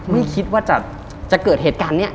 ไม่คิดว่าจะเกิดเหตุการณ์นี้